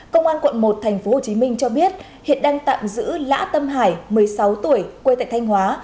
công an quận một tp hcm cho biết hiện đang tạm giữ lã tâm hải một mươi sáu tuổi quê tại thanh hóa